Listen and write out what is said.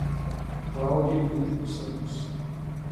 Cláudia Emidio dos Santos